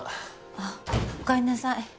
あっおかえりなさい。